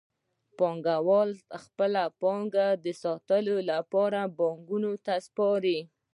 پانګوال خپله پانګه د ساتلو لپاره بانکونو ته سپاري